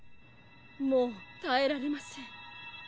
「もうたえられません」。